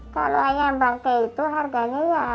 kalau ayam bangke itu harganya ya minggu